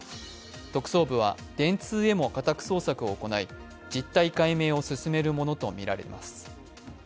特捜部は電通へも家宅捜索を行い実態解明を進めるものとみられます。